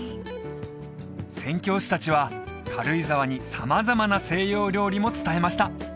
宣教師達は軽井沢に様々な西洋料理も伝えました